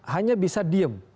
hanya bisa diam